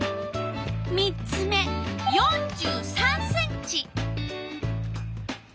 ３つ目４３ｃｍ。